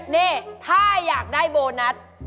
นี่ถ้าอยากได้โบนัส